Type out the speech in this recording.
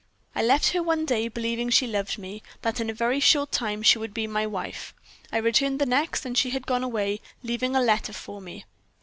"I left her one day, believing she loved me, that in a very short time she would be my wife. I returned the next, and she had gone away, leaving a letter for me."